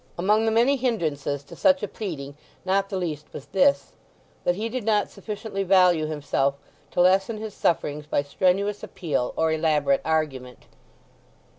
Among the many hindrances to such a pleading not the least was this, that he did not sufficiently value himself to lessen his sufferings by strenuous appeal or elaborate argument.